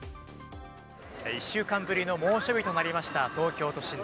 １週間ぶりの猛暑日となりました東京都心。